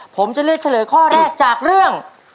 ผมจะเลือกเฉลยข้อแรกจากเรื่อง